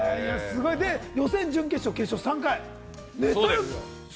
予選、準決勝、決勝と３回。